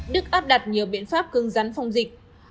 đức áp đặt nhiều biện pháp cưng rắn phong dịch